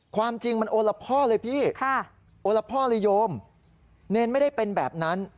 ความจริงมันโอละพ่อเลยพี่โอละพ่อเลยโยมเนรไม่ได้เป็นแบบนั้น